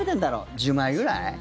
１０枚ぐらい？